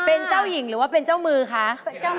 เป็นเจ้าหญิงหรือว่าเป็นเจ้ามือคะ